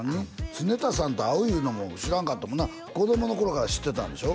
常田さんと会ういうのも知らんかったもんな子供の頃から知ってたんでしょ？